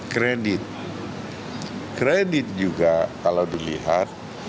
kredit kredit juga kalau dilihat